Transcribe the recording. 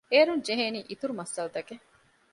އޭރުން ޖެހޭނީ އިތުރު މައްސަލަތަކެއް